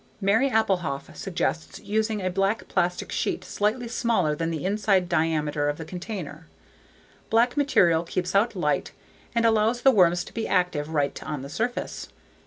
Mary Applehof suggests using a black plastic sheet slightly smaller than the inside dimensions of the container. Black material keeps out light and allows the worms to be active right on the surface.